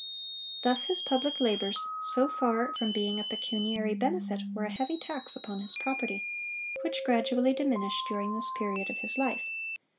Thus his public labors, so far from being a pecuniary benefit, were a heavy tax upon his property, which gradually diminished during this period of his life.